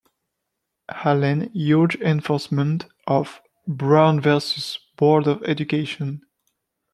Allen urged enforcement of "Brown versus Board of Education".